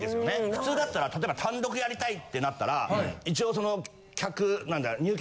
普通だったら例えば単独やりたいってなったら一応客なんだ。